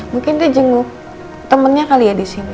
mungkin dia jenguk temennya kali ya disini